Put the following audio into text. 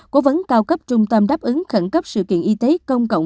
cố vấn cao cấp trung tâm đáp ứng khẩn cấp sự kiện y tế công cộng